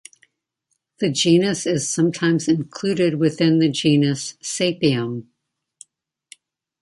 The genus is sometimes included within the genus "Sapium".